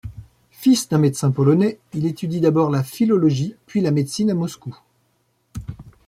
Fils d'un médecin polonais, il étude d'abord la philologie puis la médecine à Moscou.